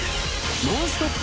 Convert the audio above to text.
ノンストップ！